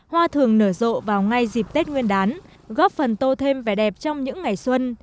hoa thường nở rộ vào ngay dịp tết nguyên đán góp phần tô thêm vẻ đẹp trong những ngày xuân